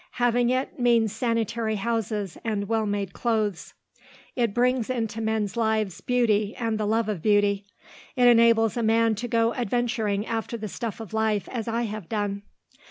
Having it means sanitary houses and well made clothes. It brings into men's lives beauty and the love of beauty. It enables a man to go adventuring after the stuff of life as I have done.